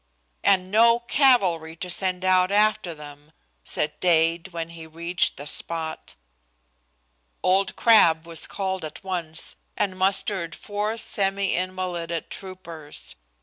"And no cavalry to send out after them!" said Dade, when he reached the spot. Old Crabb was called at once, and mustered four semi invalided troopers.